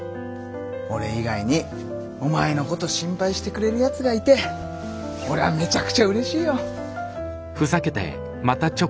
俺以外にお前のこと心配してくれるやつがいて俺はめちゃくちゃうれしいよ。